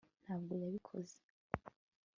ntabwo yabikoze